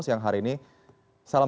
yang hari ini salam